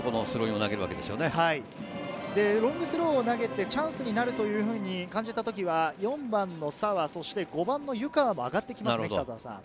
ロングスローを投げてチャンスになるというふうに感じた時は４番の澤、そして５番の湯川も上がってきます。